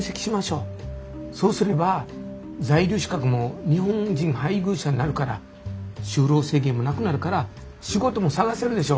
そうすれば在留資格も「日本人の配偶者」になるから就労制限もなくなるから仕事も探せるでしょ。